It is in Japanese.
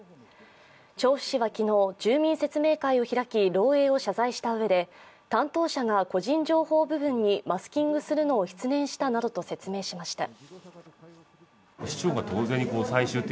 調布市は昨日、住民説明会を開き、漏えいを謝罪したうえで、担当者が個人情報部分にマスキングするのを失念したなどと説明しました。